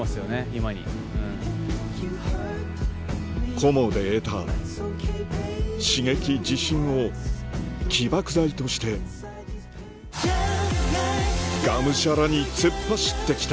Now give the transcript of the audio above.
コモで得た刺激自信を起爆剤としてがむしゃらに突っ走ってきた